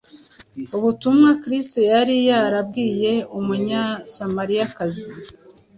Ubutumwa Kristo yari yarabwiye umunyasamariyakazi